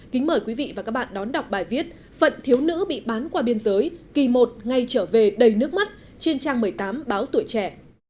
kính mời quý vị và các bạn đón đọc bài viết phận thiếu nữ bị bán qua biên giới kỳ một ngay trở về đầy nước mắt trên trang một mươi tám báo tuổi trẻ